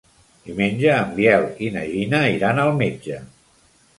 Diumenge en Biel i na Gina iran al metge.